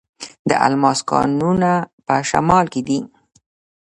د الماس کانونه په شمال کې دي.